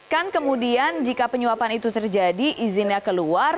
kan kemudian jika penyuapan itu terjadi izinnya keluar